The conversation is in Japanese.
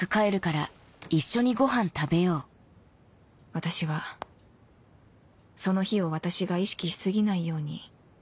私はその日を私が意識し過ぎないように